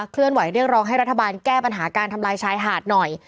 เลื่อนไหวเรียกร้องให้รัฐบาลแก้ปัญหาการทำลายชายหาดหน่อย